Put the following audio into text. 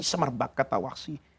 semerbak kata wahsy